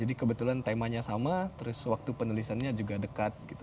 jadi kebetulan temanya sama terus waktu penulisannya juga dekat gitu